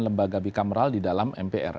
lembaga bikameral di dalam mpr